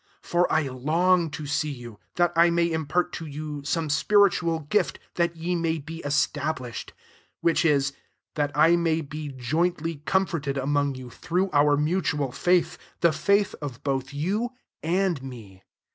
1 1 For I long to see you, that I may impart to you some spiritual gift, that ye may he established : 12'which is, that I may be jointly com forted among you thi*ough our mutual faith, the faith of both you and me.